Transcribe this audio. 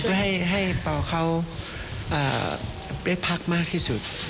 ก็ให้ต่อเขาได้พักมากที่สุด